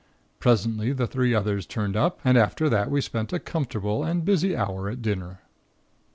Presently the three others turned up and after that we spent a comfortable and busy hour at dinner.